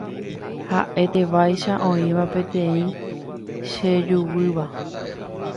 ha'etévaicha oĩva peteĩ chejuvýva